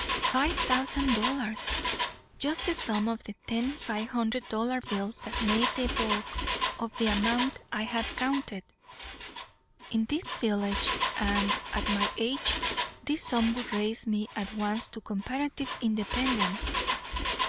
Five thousand dollars! just the sum of the ten five hundred dollar bills that made the bulk of the amount I had counted. In this village and at my age this sum would raise me at once to comparative independence.